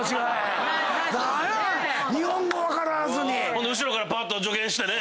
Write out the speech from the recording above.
ほんで後ろからぱっと助言してね。